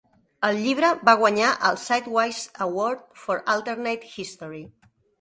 El llibre va guanyar el "Sidewise Award for Alternate History".